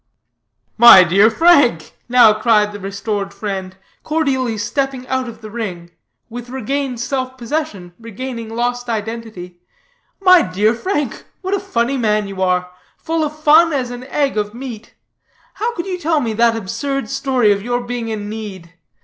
'" "My dear Frank," now cried the restored friend, cordially stepping out of the ring, with regained self possession regaining lost identity, "My dear Frank, what a funny man you are; full of fun as an egg of meat. How could you tell me that absurd story of your being in need?